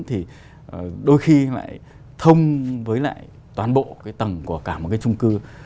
thì đôi khi lại thông với lại toàn bộ cái tầng của cả một cái trung cư